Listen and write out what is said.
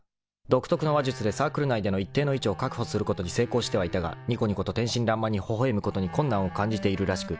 ［独特の話術でサークル内での一定の位置を確保することに成功してはいたがにこにこと天真らんまんにほほ笑むことに困難を感じているらしく］